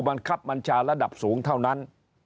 บังคับบัญชาระดับสูงเท่านั้น